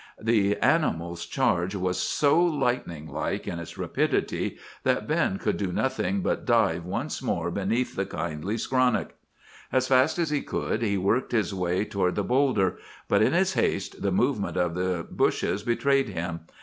"The animal's charge was so lightning like in its rapidity that Ben could do nothing but dive once more beneath the kindly skronnick. "As fast as he could, he worked his way toward the bowlder, but in his haste the movement of the bushes betrayed him.